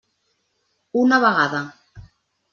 Una vegada.